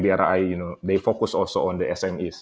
bri juga berfokus pada smes